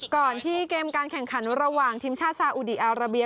ก่อนที่เกมการแข่งขันระหว่างทีมชาติสาอุดีอาราเบีย